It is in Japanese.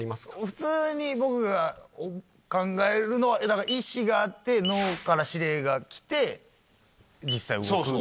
普通に僕が考えるのは意思があって脳から指令が来て実際動くっていうのが。